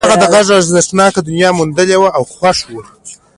هغه د غږ ارزښتناکه دنيا موندلې وه او خوښ و.